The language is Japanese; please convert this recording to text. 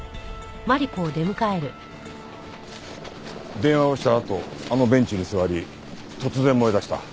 電話をしたあとあのベンチに座り突然燃えだした。